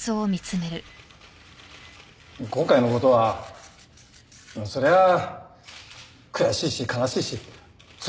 今回のことはそれは悔しいし悲しいしつらいです。